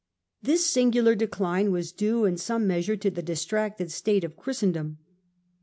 This singular decline was due in some measure to the distracted state of Christendom.